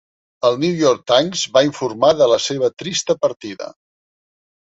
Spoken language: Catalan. El 'New York Times' va informar de la seva trista partida.